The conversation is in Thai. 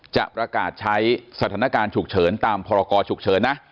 จะประกาศใช้สถานการณ์ฉุกเฉินตามพรกรฉุกเฉินนะ